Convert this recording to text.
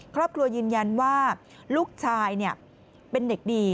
ครอบครัวยืนยันว่าลูกชายเป็นเด็กดี